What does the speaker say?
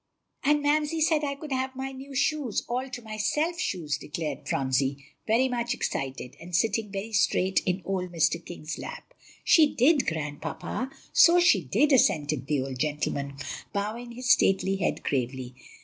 "And Mamsie said I could have my new shoes, all to myself shoes," declared Phronsie, very much excited, and sitting very straight in old Mr. King's lap; "she did, Grandpapa." "So she did," assented the old gentleman, bowing his stately head gravely.